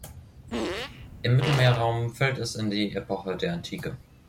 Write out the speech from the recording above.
Im Mittelmeerraum fällt es in die Epoche der Antike.